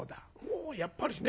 「おやっぱりね。